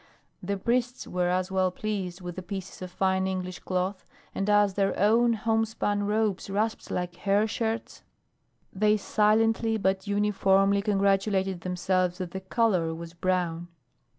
The priests were as well pleased with the pieces of fine English cloth; and as their own homespun robes rasped like hair shirts, they silently but uniformly congratulated themselves that the color was brown.